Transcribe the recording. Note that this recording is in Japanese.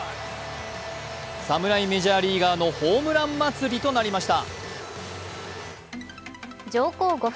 侍メジャーリーガーのホームラン祭りとなりました。